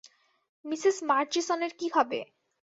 Mrs মার্চিসনের কী হবে?